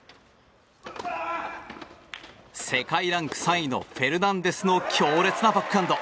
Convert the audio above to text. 世界ランク３位フェルナンデスの強烈なバックハンド。